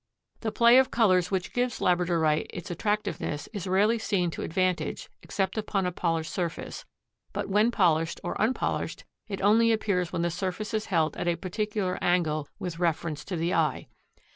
The play of colors which gives labradorite its attractiveness is rarely seen to advantage except upon a polished surface, but whether polished or unpolished it only appears when the surface is held at a particular angle with reference to the eye.